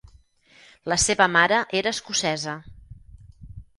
La seva mare era escocesa.